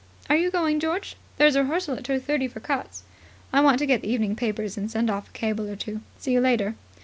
Are you going, George? There's a rehearsal at two thirty for cuts." "I want to get the evening papers and send off a cable or two. See you later."